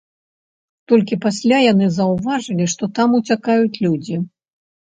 Толькі пасля яны заўважылі, што там уцякаюць людзі.